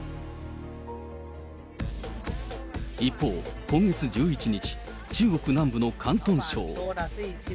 一方、今月１１日、中国南部の広東省。